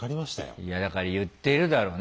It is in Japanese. いやだから言ってるだろうね